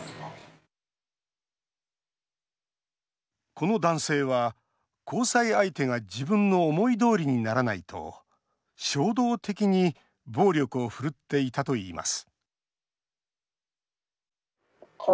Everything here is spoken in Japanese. この男性は、交際相手が自分の思いどおりにならないと衝動的に暴力を振るっていたといいます